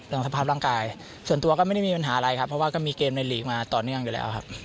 สภาพร่างกายส่วนตัวก็ไม่ได้มีปัญหาอะไรครับเพราะว่าก็มีเกมในลีกมาต่อเนื่องอยู่แล้วครับ